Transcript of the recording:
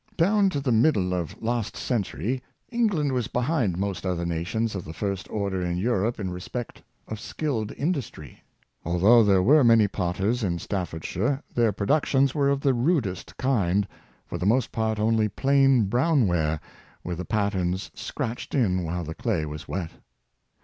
Down to the middle of last century England was behind most other nations of the first order in Europe in respect of skilled industry. Although there were many potters in Staffordshire, their productions were of the rudest kind, for the most part only plain brown ware, with the patterns scratched in while the clay was wet.